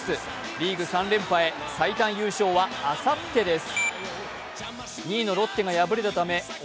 リーグ３連覇へ最短優勝はあさってです。